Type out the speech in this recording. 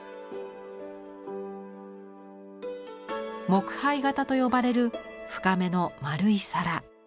木盃形と呼ばれる深めの丸い皿。